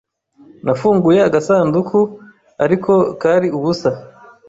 Nafunguye agasanduku, ariko kari ubusa.